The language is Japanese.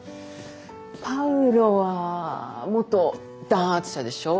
パウロは元弾圧者でしょ。